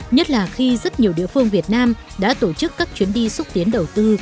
nhất là khi rất nhiều địa phương việt nam đã tổ chức các chuyến đi xúc tiến đầu tư